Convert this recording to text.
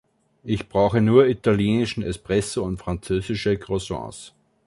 Ich brauche nur italienischen Espresso und französische Croissants.